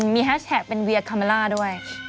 มีแฮชแท็กเป็นเวียคาเมล่าด้วย